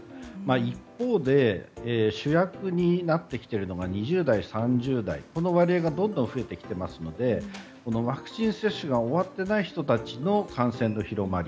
一方で主役になってきているのが２０代、３０代この割合がどんどん増えてきていますのでワクチン接種が終わっていない人たちの感染の広まり。